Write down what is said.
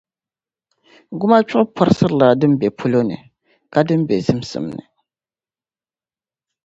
Gumachuɣu pɔrisilila din be palo ni ka din be zimsim ni.